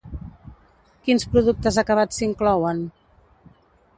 Quins productes acabats s'inclouen?